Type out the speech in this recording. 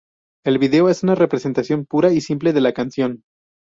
El vídeo es una representación pura y simple de la canción.